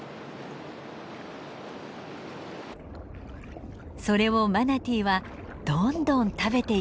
それをマナティーはどんどん食べていきます。